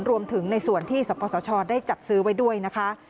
รวมถึงในส่วนที่สปสชได้จัดซื้อไว้ด้วยนะคะ